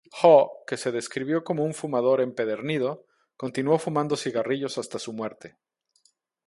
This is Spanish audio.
Haw, que se describió como un fumador empedernido, continuó fumando cigarrillos hasta su muerte.